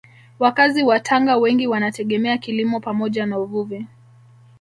Wakazi wa Tanga wengi wanategemea kilimo pamoja na uvuvi